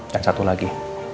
dan satu lagi